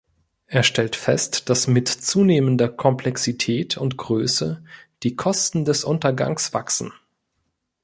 Er stellt fest, dass mit zunehmender Komplexität und Größe die Kosten des Untergangs wachsen.